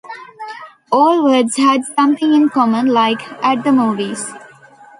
All words had something in common, like "At the Movies".